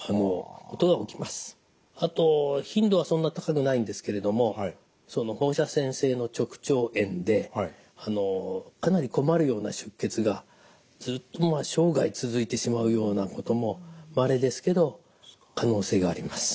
あと頻度はそんなに高くないんですけれどもその放射線性の直腸炎でかなり困るような出血がずっと生涯続いてしまうようなこともまれですけど可能性があります。